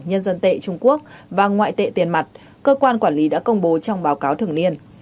nhân dân tệ trung quốc và ngoại tệ tiền mặt cơ quan quản lý đã công bố trong báo cáo thường niên